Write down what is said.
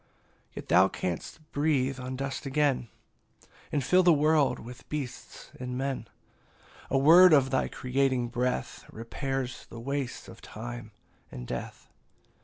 24 Yet thou canst breathe on dust again, And fill the world with beasts and men; A word of thy creating breath Repairs the wastes of time and death.